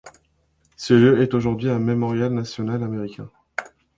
Ce lieu est aujourd'hui un Mémorial national américain.